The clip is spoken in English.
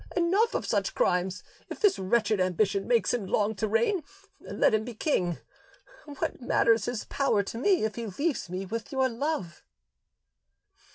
Enough of such crimes; if his wretched ambition makes him long to reign, let him be king: what matters his power to me, if he leaves me with your love?"